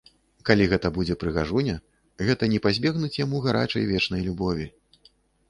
Калі гэта будзе прыгажуня, гэта не пазбегнуць яму гарачай, вечнай любові.